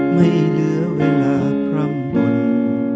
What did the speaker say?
ไม่เหลือเวลาพร่ำบน